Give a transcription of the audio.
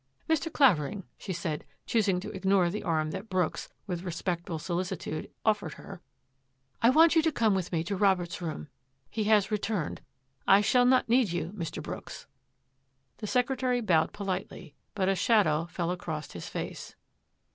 " Mr. Clavering," she said, choosing to ignore the arm that Brooks, with respectful solicitude, of fered her, " I want you to come with me to Robert's room. He has returned. I shall not need you, Mr. Brooks." The secretary bowed politely, but a shadow fell across his face.